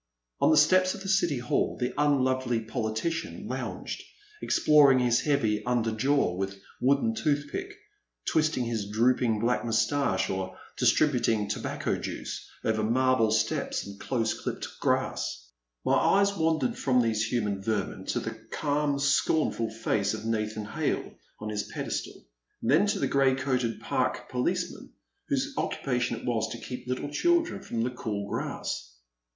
On the steps of the City Hall the unlovely poli tician lounged, exploring his heavy under jaw with wooden toothpick, twisting his drooping black moustache, or distributing tobacco juice over marble steps and close clipped grass. My eyes wandered from these human vermin to the calm scornful face of Nathan Hale, on his pedestal, and then to the grey coated Park po A Pleasant Evening, 3 1 1 liceman whose occupation was to keep little chil dren from the cool grass.